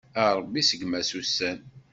A Ṛebbi seggem-as ussan.